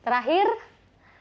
berapa lama kita menggunakan